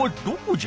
じゃ。